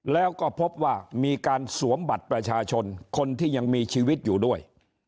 แล้วก็พบว่ามีการสวมบัตรประชาชนคนที่ยังมีชีวิตอยู่ด้วย